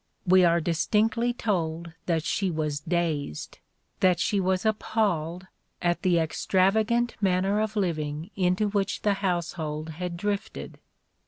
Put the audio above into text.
We are distinctly told that she was dazed, that she was appalled, at the extravagant manner of living into which the household had drifted.